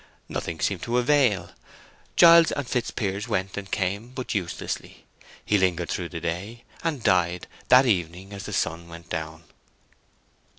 Nothing seemed to avail. Giles and Fitzpiers went and came, but uselessly. He lingered through the day, and died that evening as the sun went down.